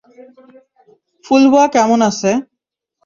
ফুলওয়া কেমন আছে?